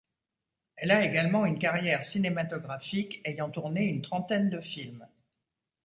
Elle a également une carrière cinématographique, ayant tourné une trentaine de films.